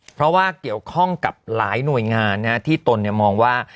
เพราะว่าเกี่ยวข้องกับหลายหน่วยงานที่ตนมองว่า